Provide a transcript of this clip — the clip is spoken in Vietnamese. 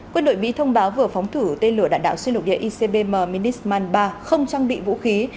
quân đội mỹ thông báo vừa phóng thử tên lửa đạn đạo xuyên lục địa icbm minisman ba không trang bị vũ khí